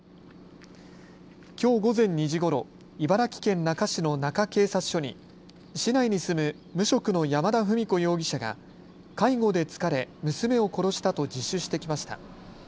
きょう午前２時ごろ、茨城県那珂市の那珂警察署に市内に住む無職の山田史子容疑者が介護で疲れ娘を殺したと自首してきました。